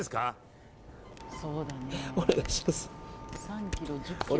お願いします。